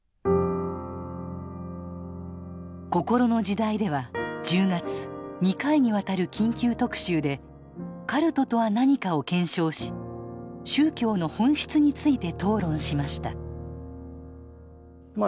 「こころの時代」では１０月２回にわたる緊急特集でカルトとは何かを検証し宗教の本質について討論しましたまあ